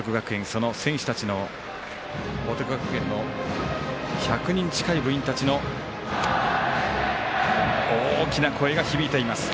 その選手たちの報徳学園の１００人近い部員たちの大きな声が響いています。